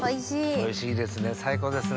おいしいですね最高ですね。